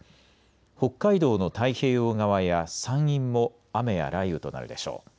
北海道の太平洋側や山陰も雨や雷雨となるでしょう。